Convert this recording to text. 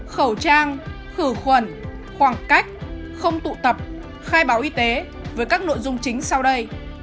khẩu trang khử khuẩn khoảng cách không tụ tập khai báo y tế với các nội dung chính sau đây